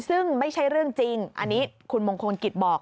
ซึ่งไม่ใช่เรื่องจริงอันนี้คุณมงคลกิจบอก